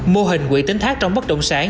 mô hình quỹ tính thác trong bất động sản